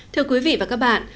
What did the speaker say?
thưa quý vị và các bạn